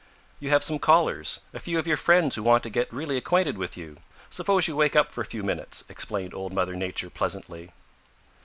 "You have some callers, a few of your friends who want to get really acquainted with you. Suppose you wake up for a few minutes," explained Old Mother Nature pleasantly.